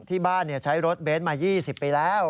ที่บ้านใช้รถเบนท์มา๒๐ปีแล้ว